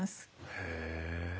へえ。